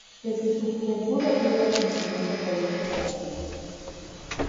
Desde su juventud adhiere al pensamiento político anarquista.